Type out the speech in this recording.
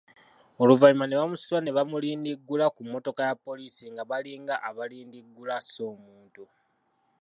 Oluvannyuma ne bamusitula ne bamulindiggula ku mmotoka ya poliisi nga balinga abalindiggula asse omuntu.